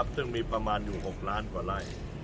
ซึ่งมีประมาณอยู่๖ล้านกว่าไร่